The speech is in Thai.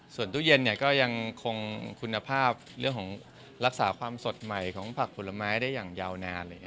ส่วนตู้เย็นก็ยังคงคุณภาพรักษาความสดใหม่ของผลักผลไม้ได้ยังอยู่นาน